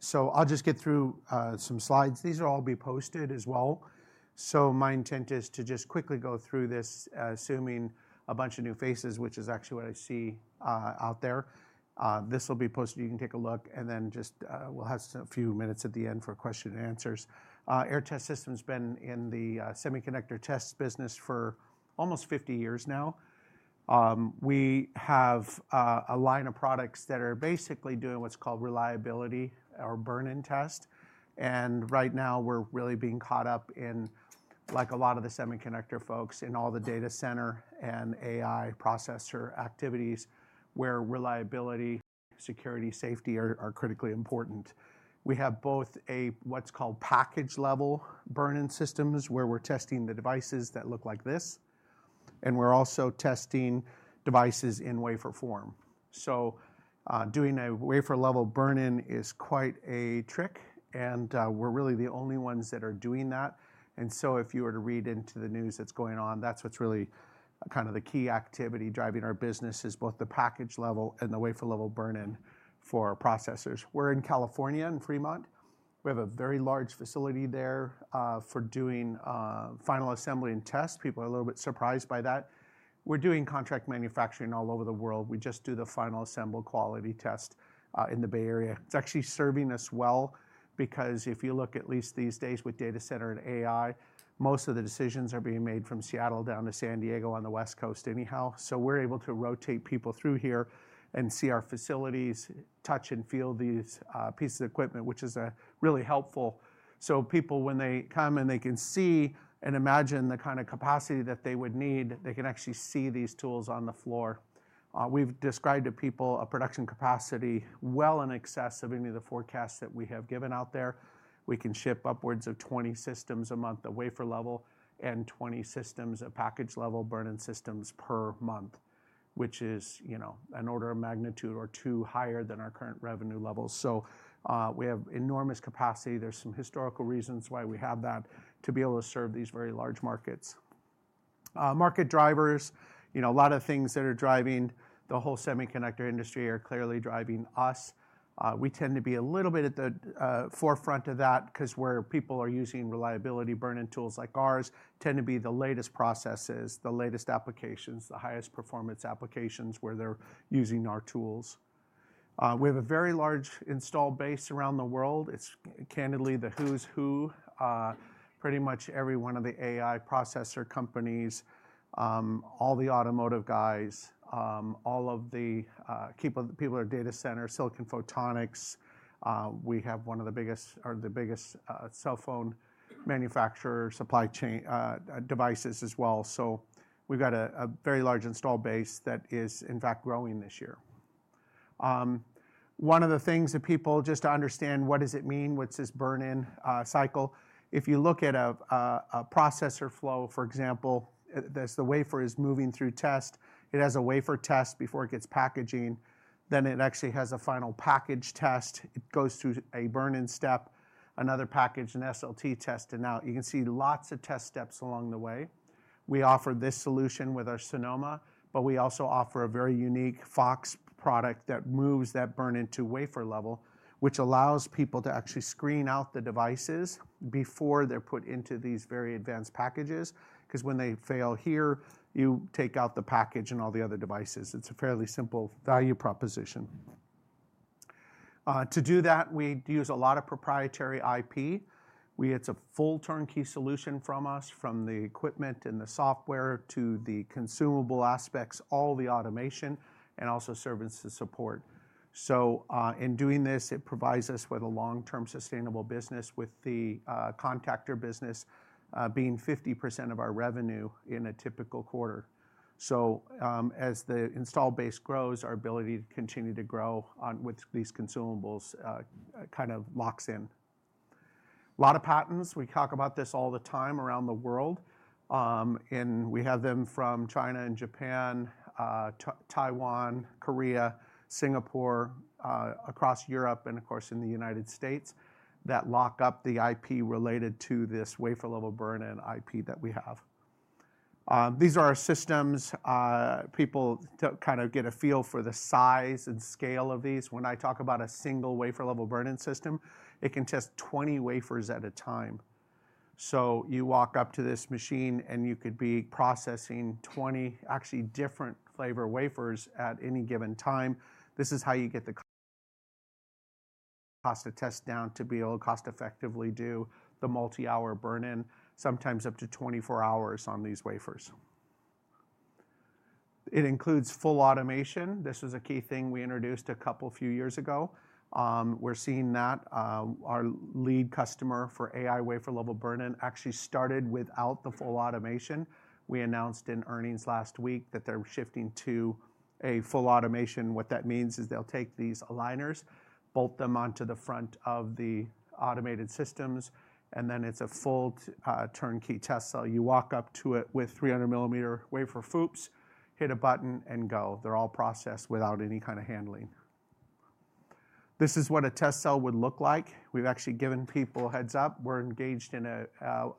So I'll just get through some slides. These will all be posted as well. So my intent is to just quickly go through this, assuming a bunch of new faces, which is actually what I see out there. This will be posted. You can take a look, and then just we'll have a few minutes at the end for questions and answers. Aehr Test Systems has been in the semiconductor test business for almost 50 years now. We have a line of products that are basically doing what's called reliability or burn-in test. And right now, we're really being caught up in, like a lot of the semiconductor folks, in all the data center and AI processor activities where reliability, security, and safety are critically important. We have both a what's called package-level burn-in systems where we're testing the devices that look like this. We're also testing devices in wafer form. Doing a wafer-level burn-in is quite a trick. We're really the only ones that are doing that. If you were to read into the news that's going on, that's what's really kind of the key activity driving our business, is both the package level and the wafer-level burn-in for our processors. We're in California in Fremont. We have a very large facility there for doing final assembly and tests. People are a little bit surprised by that. We're doing contract manufacturing all over the world. We just do the final assembled quality test in the Bay Area. It's actually serving us well because if you look, at least these days with data center and AI, most of the decisions are being made from Seattle down to San Diego on the West Coast anyhow. We're able to rotate people through here and see our facilities, touch and feel these pieces of equipment, which is really helpful. People, when they come and they can see and imagine the kind of capacity that they would need, they can actually see these tools on the floor. We've described to people a production capacity well in excess of any of the forecasts that we have given out there. We can ship upwards of 20 systems a month of wafer-level and 20 systems of package-level burn-in systems per month, which is an order of magnitude or two higher than our current revenue levels. We have enormous capacity. There's some historical reasons why we have that to be able to serve these very large markets. Market drivers, a lot of things that are driving the whole semiconductor industry are clearly driving us. We tend to be a little bit at the forefront of that because where people are using reliability burn-in tools like ours tend to be the latest processes, the latest applications, the highest performance applications where they're using our tools. We have a very large installed base around the world. It's candidly the who's who. Pretty much every one of the AI processor companies, all the automotive guys, all of the people at data center, Silicon Photonics. We have one of the biggest or the biggest cell phone manufacturer supply chain devices as well. So we've got a very large installed base that is, in fact, growing this year. One of the things that people just to understand, what does it mean? What's this burn-in cycle? If you look at a processor flow, for example, as the wafer is moving through test, it has a wafer test before it gets packaging. Then it actually has a final package test. It goes through a burn-in step, another package, an SLT test. And now you can see lots of test steps along the way. We offer this solution with our Sonoma, but we also offer a very unique FOX product that moves that burn-in to wafer level, which allows people to actually screen out the devices before they're put into these very advanced packages. Because when they fail here, you take out the package and all the other devices. It's a fairly simple value proposition. To do that, we use a lot of proprietary IP. It's a full turnkey solution from us, from the equipment and the software to the consumable aspects, all the automation, and also services support, so in doing this, it provides us with a long-term sustainable business, with the contactor business being 50% of our revenue in a typical quarter, so as the install base grows, our ability to continue to grow with these consumables kind of locks in. A lot of patents. We talk about this all the time around the world, and we have them from China and Japan, Taiwan, Korea, Singapore, across Europe, and of course, in the United States that lock up the IP related to this wafer-level burn-in IP that we have. These are our systems. People kind of get a feel for the size and scale of these. When I talk about a single wafer-level burn-in system, it can test 20 wafers at a time. You walk up to this machine and you could be processing 20 actually different flavor wafers at any given time. This is how you get the cost to test down to be able to cost effectively do the multi-hour burn-in, sometimes up to 24 hours on these wafers. It includes full automation. This was a key thing we introduced a couple few years ago. We're seeing that. Our lead customer for AI wafer-level burn-in actually started without the full automation. We announced in earnings last week that they're shifting to a full automation. What that means is they'll take these aligners, bolt them onto the front of the automated systems, and then it's a full turnkey test. You walk up to it with 300 millimeter wafer foops, hit a button, and go. They're all processed without any kind of handling. This is what a test cell would look like. We've actually given people a heads up. We're engaged in a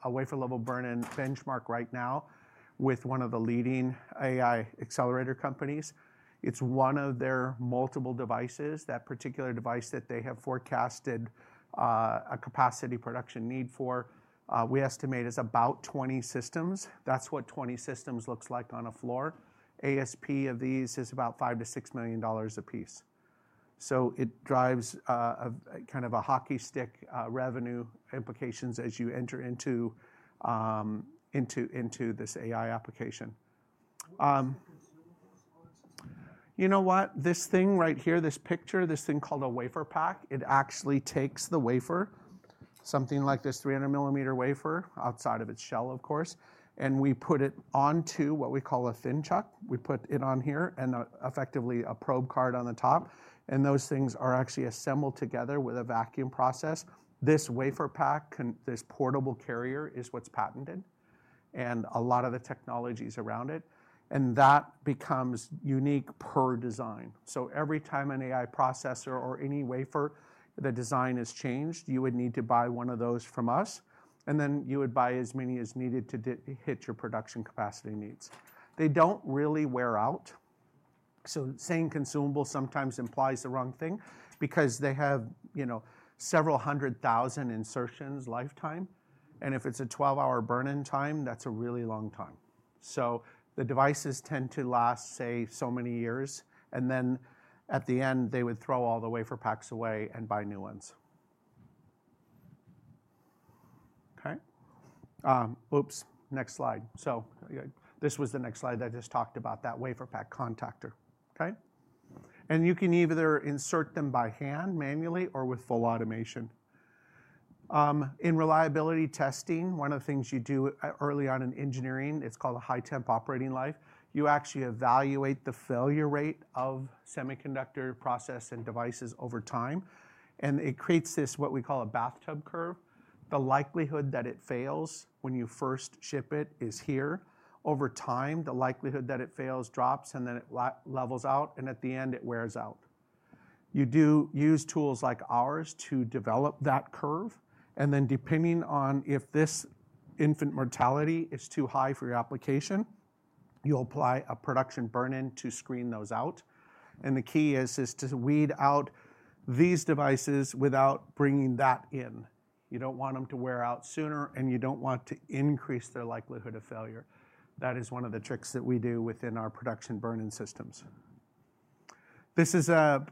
wafer-level burn-in benchmark right now with one of the leading AI accelerator companies. It's one of their multiple devices, that particular device that they have forecasted a capacity production need for. We estimate is about 20 systems. That's what 20 systems looks like on a floor. ASP of these is about $5-$6 million apiece. So it drives kind of a hockey stick revenue implications as you enter into this AI application. You know what? This thing right here, this picture, this thing called a wafer pack, it actually takes the wafer, something like this 300 millimeter wafer outside of its shell, of course, and we put it onto what we call a thin chuck. We put it on here and effectively a probe card on the top. And those things are actually assembled together with a vacuum process. This wafer pack, this portable carrier, is what's patented and a lot of the technologies around it. And that becomes unique per design. So every time an AI processor or any wafer, the design is changed, you would need to buy one of those from us. And then you would buy as many as needed to hit your production capacity needs. They don't really wear out. So saying consumable sometimes implies the wrong thing because they have several hundred thousand insertions lifetime. And if it's a 12-hour burn-in time, that's a really long time. So the devices tend to last, say, so many years. And then at the end, they would throw all the wafer packs away and buy new ones. Okay? Oops. Next slide. So this was the next slide that I just talked about, that wafer pack contactor. Okay? And you can either insert them by hand, manually, or with full automation. In reliability testing, one of the things you do early on in engineering, it's called a high temp operating life. You actually evaluate the failure rate of semiconductor process and devices over time. And it creates this what we call a bathtub curve. The likelihood that it fails when you first ship it is here. Over time, the likelihood that it fails drops and then it levels out. And at the end, it wears out. You do use tools like ours to develop that curve. And then depending on if this infant mortality is too high for your application, you'll apply a production burn-in to screen those out. And the key is to weed out these devices without bringing that in. You don't want them to wear out sooner, and you don't want to increase their likelihood of failure. That is one of the tricks that we do within our production burn-in systems. This is a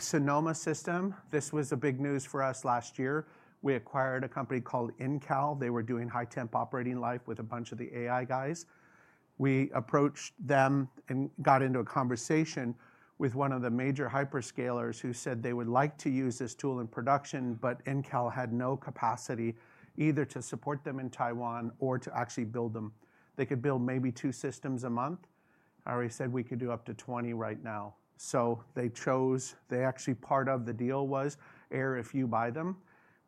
Sonoma system. This was big news for us last year. We acquired a company called Incal. They were doing high temp operating life with a bunch of the AI guys. We approached them and got into a conversation with one of the major hyperscalers who said they would like to use this tool in production, but Incal had no capacity either to support them in Taiwan or to actually build them. They could build maybe two systems a month. Aehr said we could do up to 20 right now. So they chose. They actually part of the deal was, "Aehr, if you buy them,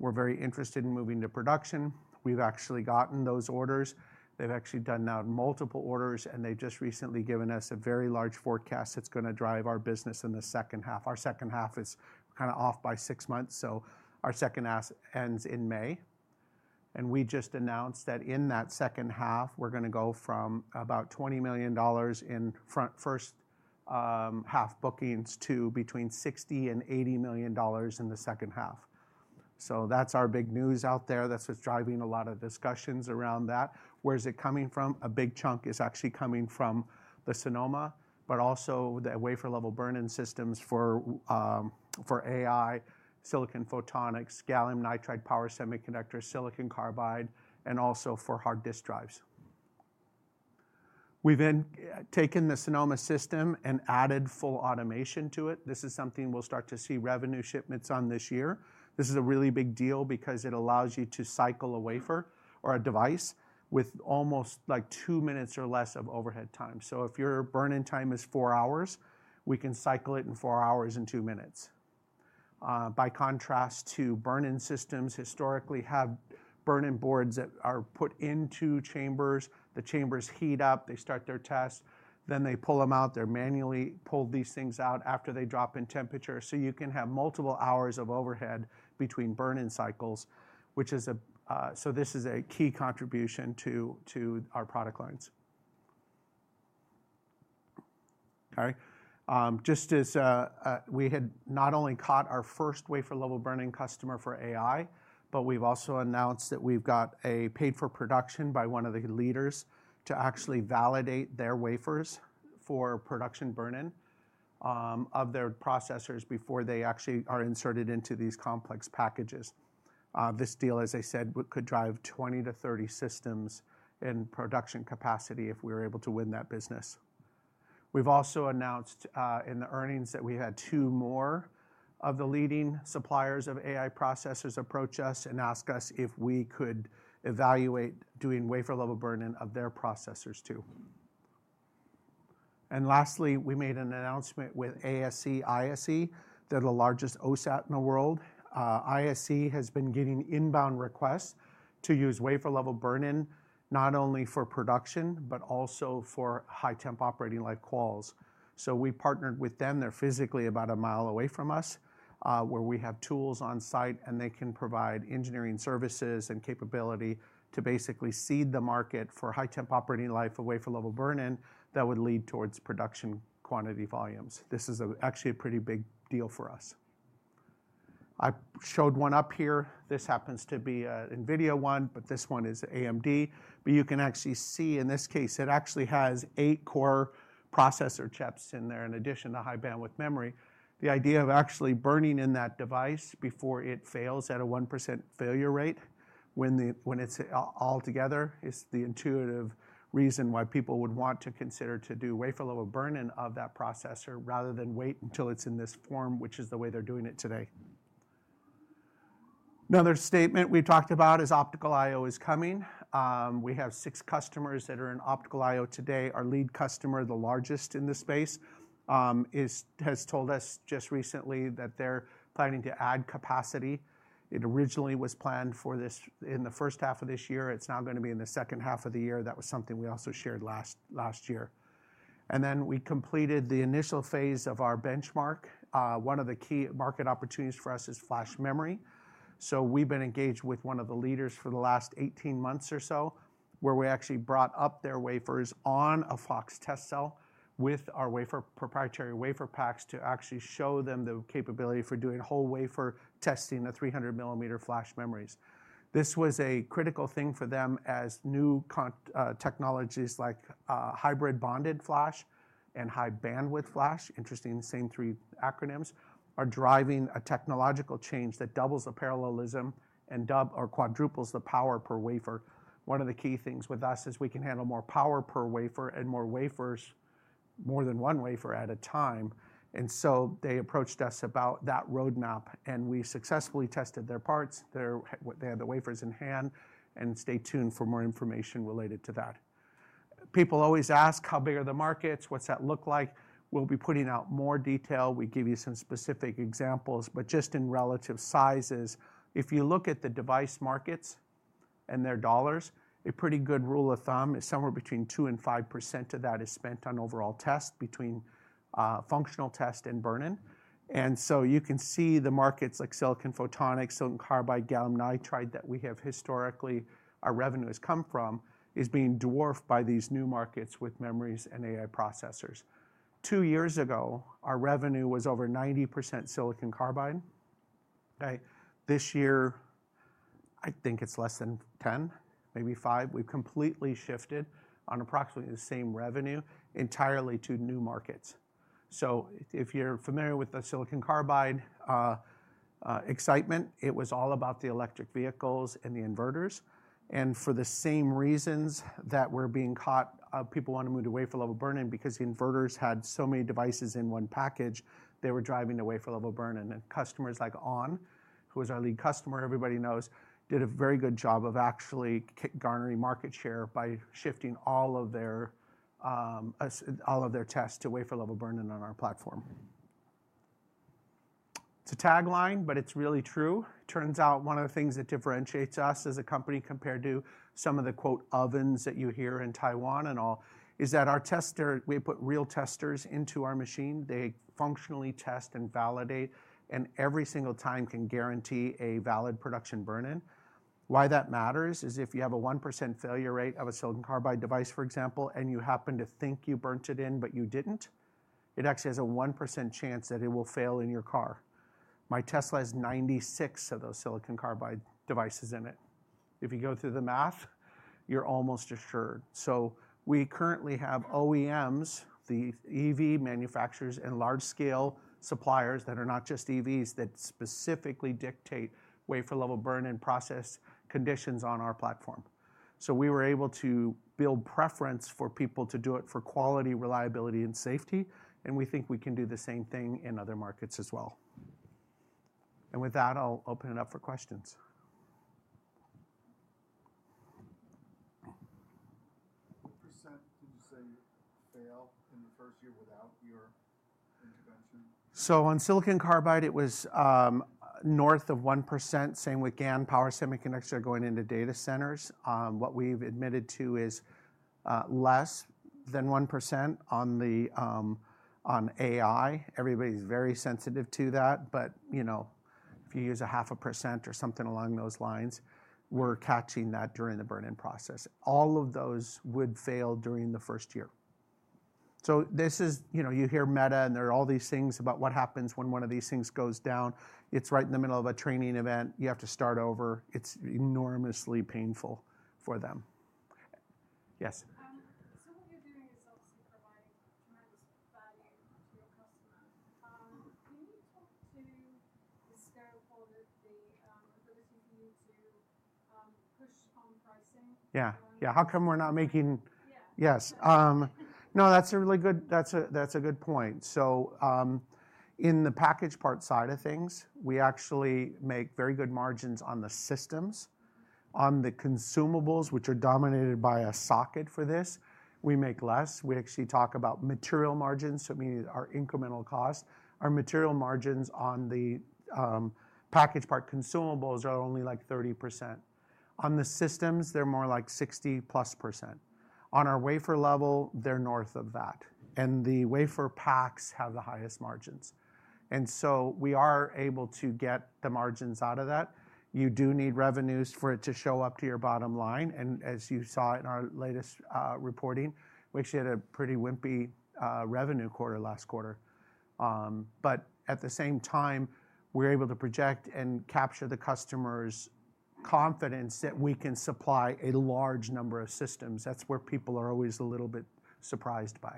we're very interested in moving to production. We've actually gotten those orders. They've actually done now multiple orders, and they've just recently given us a very large forecast that's going to drive our business in the second half. Our second half is kind of off by six months. So our second half ends in May. And we just announced that in that second half, we're going to go from about $20 million in the first half bookings to between $60 and $80 million in the second half. So that's our big news out there. That's what's driving a lot of discussions around that. Where's it coming from? A big chunk is actually coming from the Sonoma, but also the wafer-level burn-in systems for AI, silicon photonics, gallium nitride power semiconductors, silicon carbide, and also for hard disk drives. We've then taken the Sonoma system and added full automation to it. This is something we'll start to see revenue shipments on this year. This is a really big deal because it allows you to cycle a wafer or a device with almost like two minutes or less of overhead time. So if your burn-in time is four hours, we can cycle it in four hours and two minutes. By contrast to burn-in systems historically have burn-in boards that are put into chambers. The chambers heat up. They start their test. Then they pull them out. They're manually pulled these things out after they drop in temperature. So you can have multiple hours of overhead between burn-in cycles, which is, so this is a key contribution to our product lines. Okay? Just as we had not only caught our first wafer-level burn-in customer for AI, but we've also announced that we've got a paid-for production by one of the leaders to actually validate their wafers for production burn-in of their processors before they actually are inserted into these complex packages. This deal, as I said, could drive 20-30 systems in production capacity if we were able to win that business. We've also announced in the earnings that we had two more of the leading suppliers of AI processors approach us and ask us if we could evaluate doing wafer-level burn-in of their processors too. Lastly, we made an announcement with ASE ISE. They're the largest OSAT in the world. ISE has been getting inbound requests to use wafer-level burn-in not only for production, but also for high-temperature operating life calls. So we partnered with them. They're physically about a mile away from us where we have tools on site, and they can provide engineering services and capability to basically seed the market for high temp operating life of wafer-level burn-in that would lead towards production quantity volumes. This is actually a pretty big deal for us. I showed one up here. This happens to be an NVIDIA one, but this one is AMD. But you can actually see in this case, it actually has eight core processor chips in there in addition to high bandwidth memory. The idea of actually burning in that device before it fails at a 1% failure rate when it's all together is the intuitive reason why people would want to consider to do wafer-level burn-in of that processor rather than wait until it's in this form, which is the way they're doing it today. Another statement we talked about is Optical I/O is coming. We have six customers that are in Optical I/O today. Our lead customer, the largest in the space, has told us just recently that they're planning to add capacity. It originally was planned for this in the first half of this year. It's now going to be in the second half of the year. That was something we also shared last year, and then we completed the initial phase of our benchmark. One of the key market opportunities for us is flash memory. So we've been engaged with one of the leaders for the last 18 months or so where we actually brought up their wafers on a FOX test cell with our proprietary WaferPaks to actually show them the capability for doing whole wafer testing of 300-millimeter flash memories. This was a critical thing for them as new technologies like hybrid bonded flash and high bandwidth memory, interesting, the same three acronyms, are driving a technological change that doubles the parallelism and quadruples the power per wafer. One of the key things with us is we can handle more power per wafer and more wafers, more than one wafer at a time, and so they approached us about that roadmap, and we successfully tested their parts. They had the wafers in hand, and stay tuned for more information related to that. People always ask how big are the markets, what's that look like? We'll be putting out more detail. We give you some specific examples, but just in relative sizes. If you look at the device markets and their dollars, a pretty good rule of thumb is somewhere between 2%-5% of that is spent on overall test between functional test and burn-in, and so you can see the markets like silicon photonics, silicon carbide, gallium nitride that we have historically, our revenue has come from, is being dwarfed by these new markets with memories and AI processors. Two years ago, our revenue was over 90% silicon carbide. This year, I think it's less than 10%, maybe 5%. We've completely shifted on approximately the same revenue entirely to new markets, so if you're familiar with the silicon carbide excitement, it was all about the electric vehicles and the inverters, and for the same reasons that we're being sought, people want to move to wafer-level burn-in because the inverters had so many devices in one package. They were driving to wafer-level burn-in. And customers like onsemi, who is our lead customer, everybody knows, did a very good job of actually garnering market share by shifting all of their tests to wafer-level burn-in on our platform. It's a tagline, but it's really true. Turns out one of the things that differentiates us as a company compared to some of the "ovens" that you hear in Taiwan and all is that our tester, we put real testers into our machine. They functionally test and validate, and every single time can guarantee a valid production burn-in. Why that matters is if you have a 1% failure rate of a silicon carbide device, for example, and you happen to think you burnt it in, but you didn't, it actually has a 1% chance that it will fail in your car. My Tesla has 96 of those silicon carbide devices in it. If you go through the math, you're almost assured. So we currently have OEMs, the EV manufacturers and large-scale suppliers that are not just EVs that specifically dictate wafer-level burn-in process conditions on our platform. So we were able to build preference for people to do it for quality, reliability, and safety. And we think we can do the same thing in other markets as well. And with that, I'll open it up for questions. What percent did you say failed in the first year without your intervention? So on silicon carbide, it was north of 1%. Same with GaN power semiconductors going into data centers. What we've admitted to is less than 1% on AI. Everybody's very sensitive to that. But if you use 0.5% or something along those lines, we're catching that during the burn-in process. All of those would fail during the first year. So you hear Meta, and there are all these things about what happens when one of these things goes down. It's right in the middle of a training event. You have to start over. It's enormously painful for them. Yes. So what you're doing is obviously providing tremendous value to your customers. Can you talk to the scale part of the ability for you to push on pricing? Yeah. Yeah. How come we're not making? Yes. No, that's a really good point. So in the package part side of things, we actually make very good margins on the systems. On the consumables, which are dominated by a socket for this, we make less. We actually talk about material margins, so meaning our incremental cost. Our material margins on the package part consumables are only like 30%. On the systems, they're more like 60% plus. On our wafer level, they're north of that. And the wafer packs have the highest margins. And so we are able to get the margins out of that. You do need revenues for it to show up to your bottom line. And as you saw in our latest reporting, we actually had a pretty wimpy revenue quarter last quarter. But at the same time, we're able to project and capture the customer's confidence that we can supply a large number of systems. That's where people are always a little bit surprised by.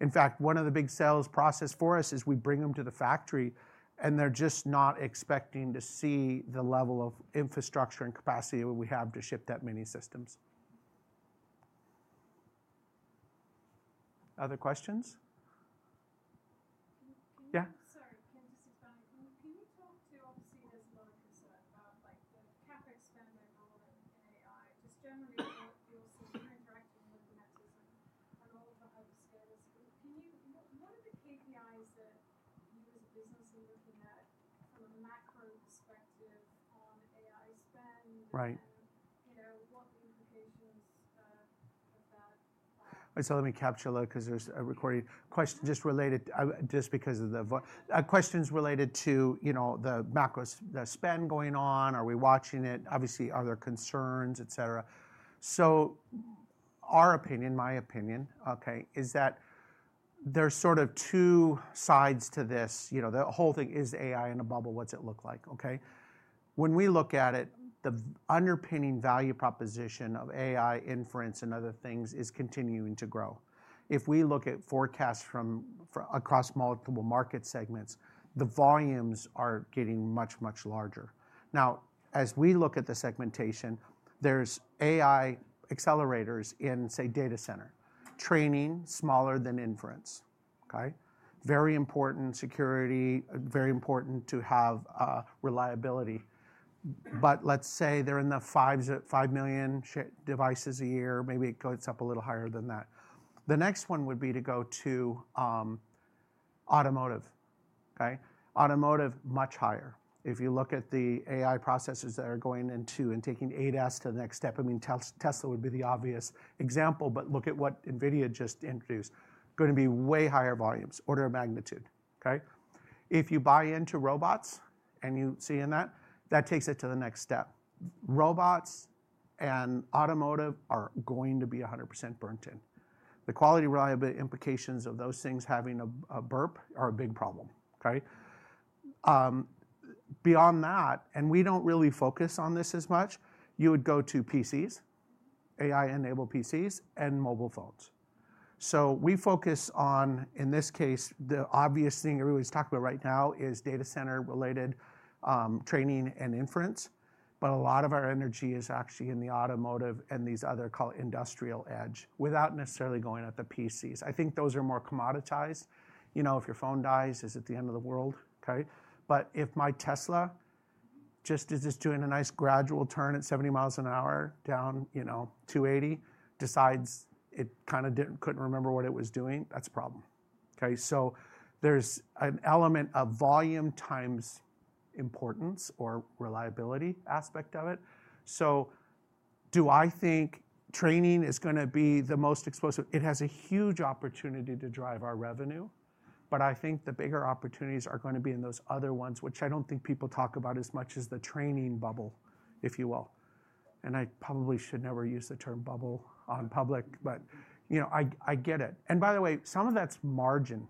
In fact, one of the big sales process for us is we bring them to the factory, and they're just not expecting to see the level of infrastructure and capacity that we have to ship that many systems. Other questions? Yeah? Sorry, can I just expand? Can you talk to, obviously, there's a lot of concern about the CapEx expanding role in AI. Just generally, you're sort of interacting with NVIDIA and all of the hyperscalers. What are the KPIs that you as a business are looking at from a macro perspective on AI spend and what the implications of that? So let me capture that because there's a recording question just related just because of the questions related to the macro spend going on. Are we watching it? Obviously, are there concerns, et cetera? So our opinion, my opinion, okay, is that there's sort of two sides to this. The whole thing is AI in a bubble. What's it look like? Okay? When we look at it, the underpinning value proposition of AI inference and other things is continuing to grow. If we look at forecasts from across multiple market segments, the volumes are getting much, much larger. Now, as we look at the segmentation, there's AI accelerators in, say, data center. Training smaller than inference. Okay? Very important security, very important to have reliability. But let's say they're in the five million devices a year. Maybe it goes up a little higher than that. The next one would be to go to automotive. Okay? Automotive, much higher. If you look at the AI processors that are going into and taking ADAS to the next step, I mean, Tesla would be the obvious example, but look at what NVIDIA just introduced. Going to be way higher volumes, order of magnitude. Okay? If you buy into robots and you see in that, that takes it to the next step. Robots and automotive are going to be 100% burned in. The quality, reliability, implications of those things having a burp are a big problem. Okay? Beyond that, and we don't really focus on this as much, you would go to PCs, AI-enabled PCs and mobile phones. So we focus on, in this case, the obvious thing everybody's talking about right now is data center-related training and inference. But a lot of our energy is actually in the automotive and these other called industrial edge without necessarily going at the PCs. I think those are more commoditized. If your phone dies, is it the end of the world? Okay? But if my Tesla just doing a nice gradual turn at 70 miles an hour down 280, decides it kind of couldn't remember what it was doing, that's a problem. Okay? So there's an element of volume times importance or reliability aspect of it. So do I think training is going to be the most exposed? It has a huge opportunity to drive our revenue. But I think the bigger opportunities are going to be in those other ones, which I don't think people talk about as much as the training bubble, if you will. And I probably should never use the term bubble on public, but I get it. And by the way, some of that's margin.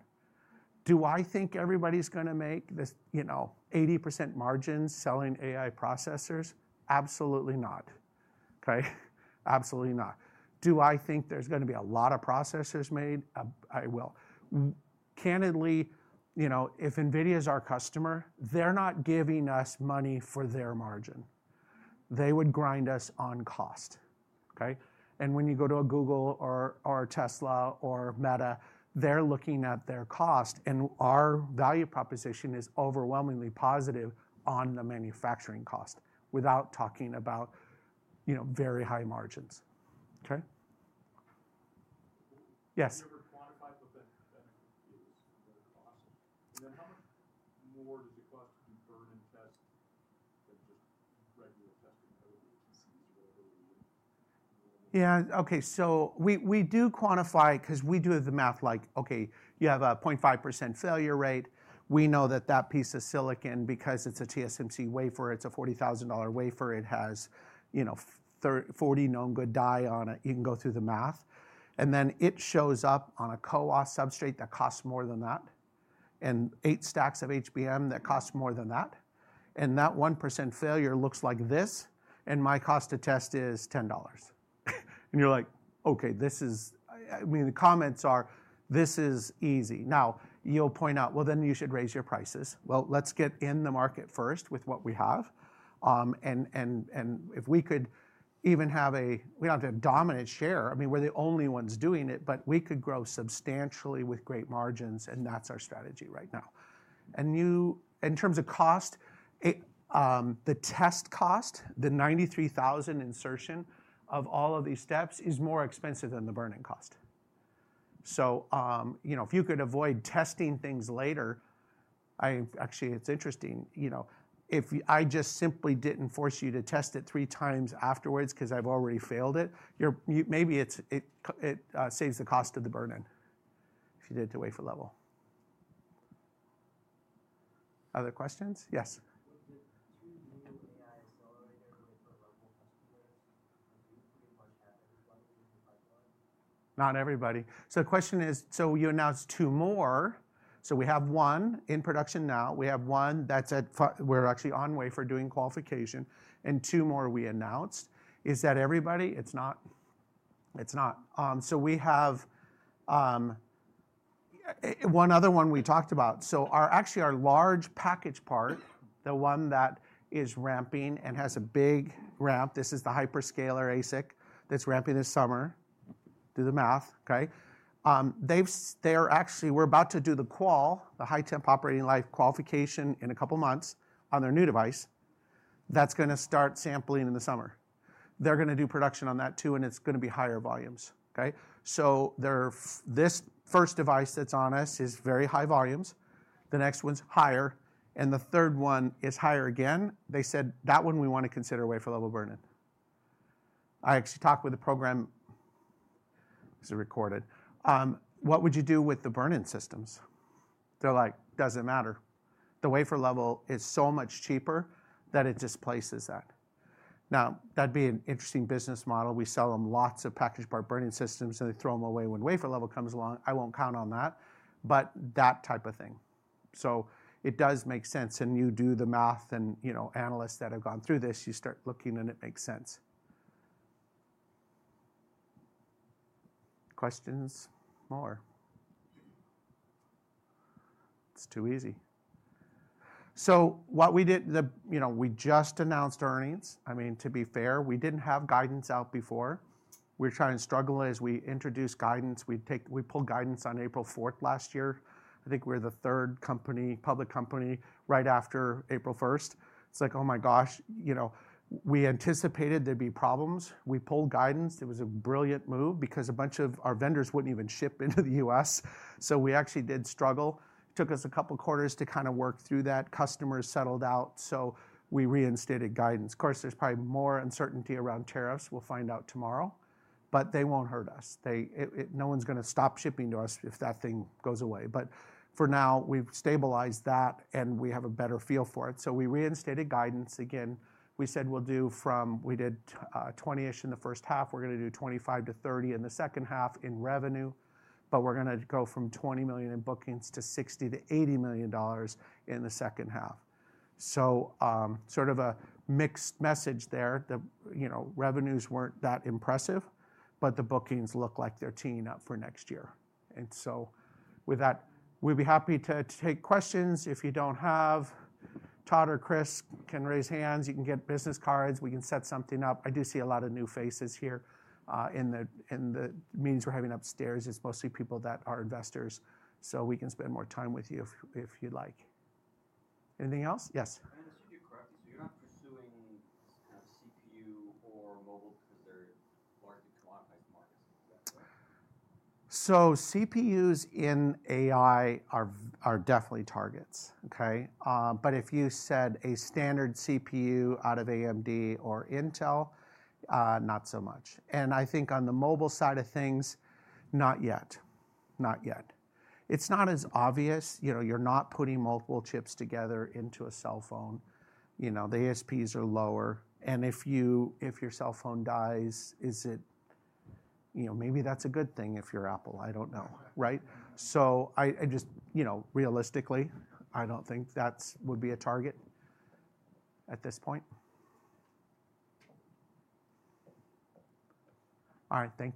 Do I think everybody's going to make 80% margin selling AI processors? Absolutely not. Okay? Absolutely not. Do I think there's going to be a lot of processors made? I will. Candidly, if NVIDIA is our customer, they're not giving us money for their margin. They would grind us on cost. Okay? And when you go to a Google or Tesla or Meta, they're looking at their cost. And our value proposition is overwhelmingly positive on the manufacturing cost without talking about very high margins. Okay? Yes? You ever quantify the benefit of the cost? And then how much more does it cost to do burn and test than just regular testing for the PCs or whatever? Yeah. Okay. So we do quantify because we do the math like, okay, you have a 0.5% failure rate. We know that that piece of silicon, because it's a TSMC wafer, it's a $40,000 wafer. It has 40 known good die on it. You can go through the math. And then it shows up on a CoW substrate. That costs more than that, and eight stacks of HBM that costs more than that, and that 1% failure looks like this. My cost to test is $10, and you're like, okay, this is. I mean, the comments are, this is easy. Now, you'll point out, well, then you should raise your prices. Well, let's get in the market first with what we have, and if we could even have a we don't have to have dominant share. I mean, we're the only ones doing it, but we could grow substantially with great margins, and that's our strategy right now. In terms of cost, the test cost, the 93,000 insertion of all of these steps is more expensive than the burn-in cost, so if you could avoid testing things later, actually, it's interesting. If I just simply didn't force you to test it three times afterwards because I've already failed it, maybe it saves the cost of the burn-in if you did it to wafer level. Other questions? Yes. With the two new AI accelerators wafer level customers, do you pretty much have everybody in the pipeline? Not everybody. So the question is, so you announced two more. So we have one in production now. We have one that's at, we're actually on wafer doing qualification. And two more we announced. Is that everybody? It's not. It's not. So we have one other one we talked about. So actually our large package part, the one that is ramping and has a big ramp, this is the hyperscaler ASIC that's ramping this summer. Do the math. Okay? They're actually, we're about to do the qual, the high-temp operating life qualification in a couple of months on their new device. That's going to start sampling in the summer. They're going to do production on that too, and it's going to be higher volumes. Okay? So this first device that's on us is very high volumes. The next one's higher. And the third one is higher again. They said, that one we want to consider wafer level burn-in. I actually talked with the program. This is recorded. What would you do with the burn-in systems? They're like, doesn't matter. The wafer level is so much cheaper that it displaces that. Now, that'd be an interesting business model. We sell them lots of package part burn-in systems, and they throw them away when wafer level comes along. I won't count on that. But that type of thing. So it does make sense. And you do the math. And analysts that have gone through this, you start looking, and it makes sense. Questions? More? It's too easy. So what we did, we just announced earnings. I mean, to be fair, we didn't have guidance out before. We were trying to struggle as we introduced guidance. We pulled guidance on April 4th last year. I think we were the third public company right after April 1st. It's like, oh my gosh, we anticipated there'd be problems. We pulled guidance. It was a brilliant move because a bunch of our vendors wouldn't even ship into the U.S. So we actually did struggle. Took us a couple of quarters to kind of work through that. Customers settled out. So we reinstated guidance. Of course, there's probably more uncertainty around tariffs. We'll find out tomorrow. But they won't hurt us. No one's going to stop shipping to us if that thing goes away, but for now, we've stabilized that, and we have a better feel for it, so we reinstated guidance again. We said we'll do from we did 20-ish in the first half. We're going to do 25 to 30 in the second half in revenue, but we're going to go from $20 million in bookings to $60-$80 million in the second half, so sort of a mixed message there. The revenues weren't that impressive, but the bookings look like they're teeing up for next year, and so with that, we'd be happy to take questions. If you don't have, Todd or Chris can raise hands. You can get business cards. We can set something up. I do see a lot of new faces here. In the meetings we're having upstairs, it's mostly people that are investors. So we can spend more time with you if you'd like. Anything else? Yes? I understood you correctly. So you're not pursuing kind of CPU or mobile because they're large and commoditized markets. Is that correct? So CPUs in AI are definitely targets. Okay? But if you said a standard CPU out of AMD or Intel, not so much. And I think on the mobile side of things, not yet. Not yet. It's not as obvious. You're not putting multiple chips together into a cell phone. The ASPs are lower. And if your cell phone dies, maybe that's a good thing if you're Apple. I don't know. Right? So just realistically, I don't think that would be a target at this point. All right. Thank you.